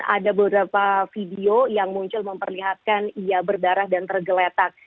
ada beberapa video yang muncul memperlihatkan ia berdarah dan tergeletak